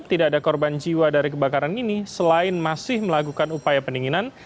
tidak ada korban jiwa dari kebakaran ini selain masih melakukan upaya pendinginan